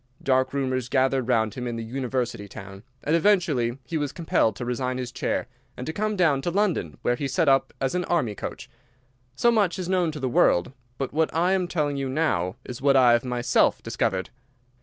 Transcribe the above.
Dark rumours gathered round him in the university town, and eventually he was compelled to resign his chair and to come down to London, where he set up as an Army coach. So much is known to the world, but what I am telling you now is what I have myself discovered.